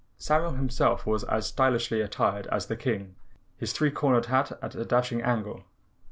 Samuel himself was as stylishly attired as the King, his three cornered hat at a dashing angle.